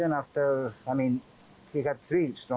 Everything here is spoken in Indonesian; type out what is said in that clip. namun hari ini yang ini besar